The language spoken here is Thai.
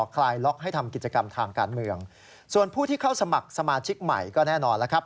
คลายล็อกให้ทำกิจกรรมทางการเมืองส่วนผู้ที่เข้าสมัครสมาชิกใหม่ก็แน่นอนแล้วครับ